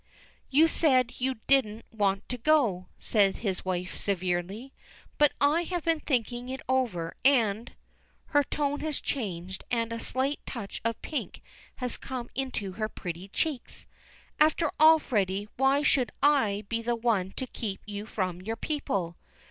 "You said you didn't want to go," says his wife severely. "But I have been thinking it over, and " Her tone has changed, and a slight touch of pink has come into her pretty cheeks. "After all, Freddy, why should I be the one to keep you from your people?"